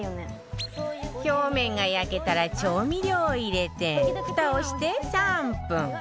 表面が焼けたら調味料を入れてふたをして３分